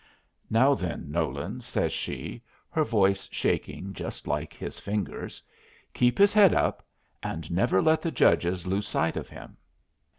"Now, then, Nolan," says she, her voice shaking just like his fingers, "keep his head up and never let the judge lose sight of him."